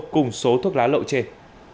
cùng số thuốc lá lộn trên